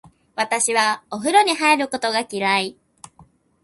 私はお風呂に入ることが嫌い。